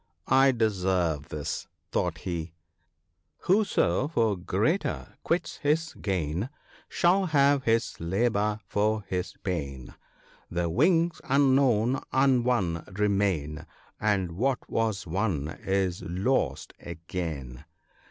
" I deserve this," thought he —" Whoso for greater quits his gain, Shall have his labour for his pain ; The things unwon unwon remain, And what was won is lost again."